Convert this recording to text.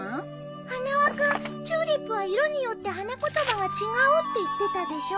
花輪君チューリップは色によって花言葉が違うって言ってたでしょ？